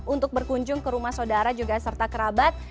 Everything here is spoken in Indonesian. untuk berkunjung ke rumah saudara juga serta kerabat